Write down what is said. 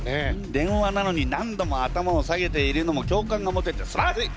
電話なのに何度も頭を下げているのも共感が持ててすばらしい！